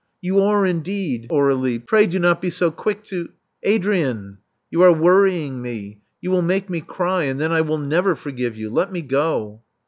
*' You are indeed, Aur^lie. Pray do not be so quick to ••*' Adrian: you are worrying me — you will make me cry; and then I will never forgive you. Let me go.